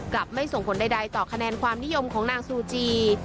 ไม่ส่งผลใดต่อคะแนนความนิยมของนางซูจี